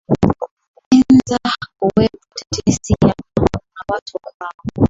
eanza kuwepo tetesi ya kwamba kuna watu ambao